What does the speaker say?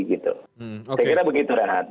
saya kira begitu rad